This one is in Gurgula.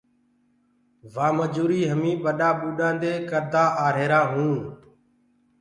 وآ مجوٚريٚ همي ٻڏآ ٻوڏآ دي ڪردآ آريهرآ هونٚ۔